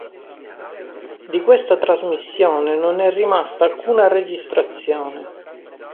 Di questa trasmissione non è rimasta alcuna registrazione.